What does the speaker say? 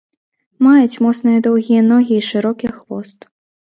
Маюць моцныя доўгія ногі і шырокі хвост.